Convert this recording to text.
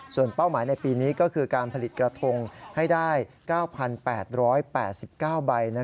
ส่วนเป้าหมายในปีนี้ก็คือการผลิตกระทงให้ได้๙๘๘๙ใบ